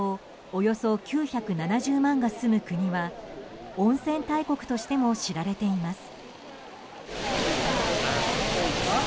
およそ９７０万が住む国は温泉大国としても知られています。